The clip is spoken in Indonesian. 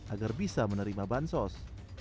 agar bisa menerima bansos